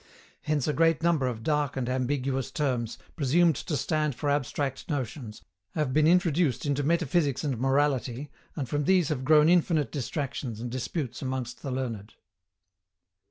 Hence a great number of dark and ambiguous terms, presumed to stand for abstract notions, have been introduced into metaphysics and morality, and from these have grown infinite distractions and disputes amongst the learned.